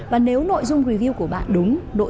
và nếu nội dung review của bạn đúng